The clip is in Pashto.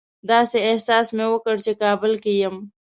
داسې احساس مې وکړ چې کابل کې یم.